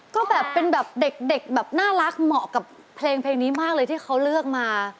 ก็แบบเป็นแบบเด็กแบบน่ารักเหมาะกับเพลงนี้มากเลยที่เขาเลือกมา